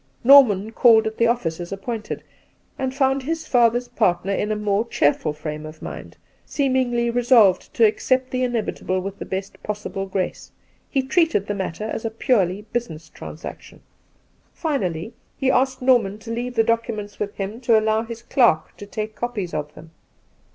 Norman called at the office as appointed, and found his father's partner in a more cheerful fi ame of mind, seemingly resolved to accept the inevitable with the best possible grace ; he treated the matter as a purely business trans action. Finally, he asked Norman to leave the documents with him to allow his clerk to take copies of them.